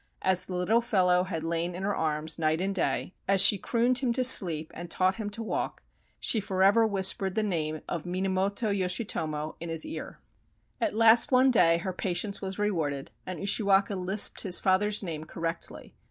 As the little fellow had lain in her arms night and day, as she crooned him to sleep and taught him to walk, she forever whispered the name of Minamoto Yoshitomo in his ear. 304 THE STORY OF YOSHITSUNE At last one day her patience was rewarded and Ushi waka lisped his father's name correctly.